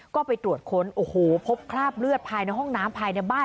ก็ไปตรวจค้นโอ้โหพบคราบเลือดภายในห้องน้ำภายในบ้าน